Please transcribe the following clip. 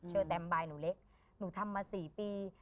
เชอเต็มใบหนูเละหนูทำมา๔ปี